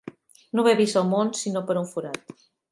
No haver vist el món sinó per un forat.